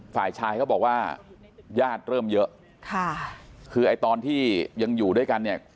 ฝ่ายชายเขาบอกว่าญาติเริ่มเยอะค่ะคือไอ้ตอนที่ยังอยู่ด้วยกันเนี่ย